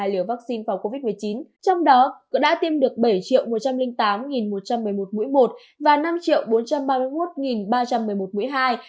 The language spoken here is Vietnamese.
hai liều vaccine phòng covid một mươi chín trong đó cũng đã tiêm được bảy một trăm linh tám một trăm một mươi một mũi một và năm bốn trăm ba mươi một ba trăm một mươi một mũi hai